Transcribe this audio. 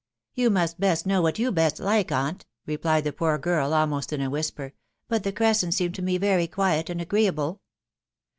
" You must best know what you best like, aunt," replied the poor girl almost in a whisper ;" but the Crescent seemed to me very quiet and agreeable.''